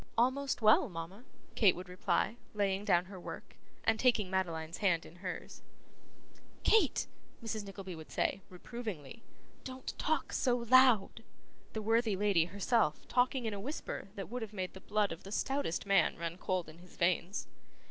'Almost well, mama,' Kate would reply, laying down her work, and taking Madeline's hand in hers. 'Kate!' Mrs. Nickleby would say, reprovingly, 'don't talk so loud' (the worthy lady herself talking in a whisper that would have made the blood of the stoutest man run cold in his veins).